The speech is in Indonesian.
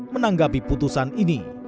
menanggapi putusan ini